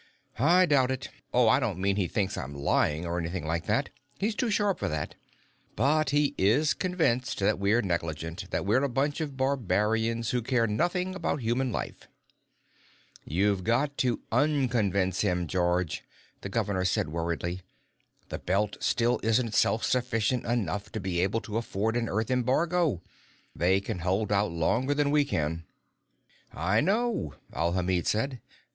"I doubt it. Oh, I don't mean he thinks I'm lying or anything like that. He's too sharp for that. But he is convinced that we're negligent, that we're a bunch of barbarians who care nothing about human life." "You've got to unconvince him, George," the governor said worriedly. "The Belt still isn't self sufficient enough to be able to afford an Earth embargo. They can hold out longer than we can." "I know," Alhamid said.